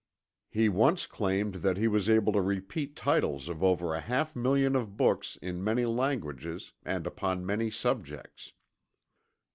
He once claimed that he was able to repeat titles of over a half million of books in many languages, and upon many subjects.